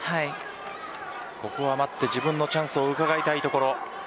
ここは待って自分のチャンスをうかがいたいところ。